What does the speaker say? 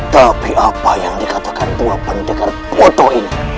tapi apa yang dikatakan dua pendekar bodoh ini